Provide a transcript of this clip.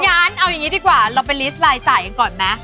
งั้นเอาอย่างนี้ดีกว่าเราไปลิสต์รายจ่ายกันก่อนไหม